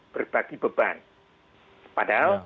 berbagi beban padahal